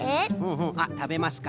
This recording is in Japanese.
あったべますか？